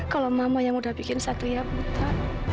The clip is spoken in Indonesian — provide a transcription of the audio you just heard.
kalau mama yang udah bikin satria buta